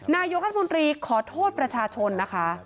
นายกรัฐมนตรีขอโทษประชาชนนะคะ